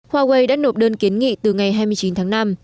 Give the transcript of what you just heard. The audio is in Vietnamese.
huawei đã nộp đơn kiến nghị từ ngày hai mươi chín tháng năm